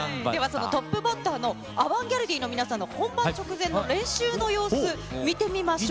そのトップバッターのアバンギャルディの皆さんの本番直前の練習の様子、見てみましょう。